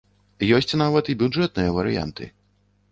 Ёсць нават і бюджэтныя варыянты.